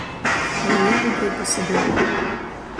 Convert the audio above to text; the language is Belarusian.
Але я выбраў па сабе.